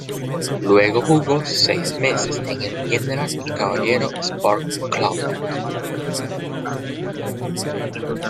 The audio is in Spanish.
Luego jugó seis meses en el General Caballero Sport Club.